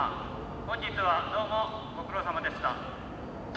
本日はどうもご苦労さまでした。